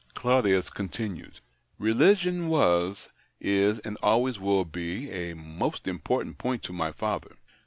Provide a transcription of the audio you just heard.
Claudius continued —" Religion was, is, and always will be, a most important point to my father.